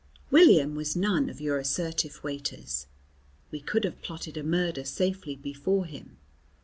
William was none of your assertive waiters. We could have plotted a murder safely before him.